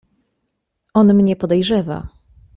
"On mnie podejrzewa."